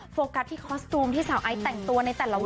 โฟกัสที่คอสตูมที่สาวไอซ์แต่งตัวในแต่ละวัน